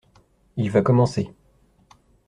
Il va commencer.